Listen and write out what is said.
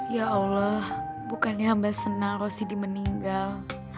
ya allah bukannya hamba senang rosidi meninggal